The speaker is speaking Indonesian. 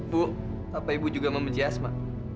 bu apa ibu juga membenci asma